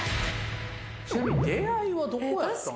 ちなみに出会いはどこやったんですか？